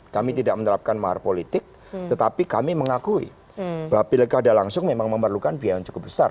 kami tidak menerapkan mahar politik tetapi kami mengakui bahwa pilkada langsung memang memerlukan biaya yang cukup besar